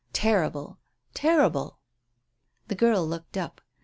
Terrible! Terrible!" The girl looked up.